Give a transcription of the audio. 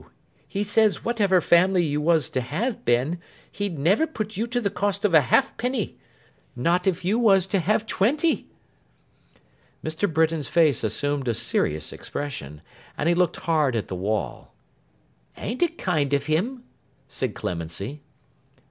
He says whatever family you was to have, Ben, he'd never put you to the cost of a halfpenny. Not if you was to have twenty.' Mr. Britain's face assumed a serious expression, and he looked hard at the wall. 'An't it kind of him?' said Clemency.